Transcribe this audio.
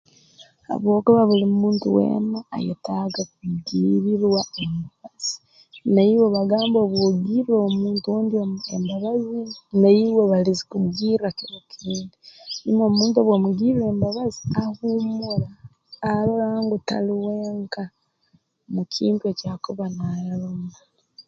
Habwokuba buli muntu weena ayetaaga kumugirirwa embabazi naiwe bagamba obu ogirra omuntu ondi e embabazi naiwe balizikugirra kiro kindi hanyuma omuntu obu omugirra embabazi ahumura arora ngu tali wenka mu kintu eki akuba naarabamu